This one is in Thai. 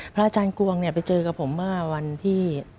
อาจารย์กวงไปเจอกับผมเมื่อวันที่